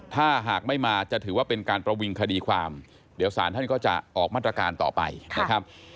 ถ้าหากไม่มาจะถือว่าเป็นการประวิงคดีความเดี๋ยวสารท่านก็จะออกมาตรการต่อไปนะครับ